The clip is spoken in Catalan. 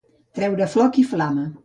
Treure floc i flama.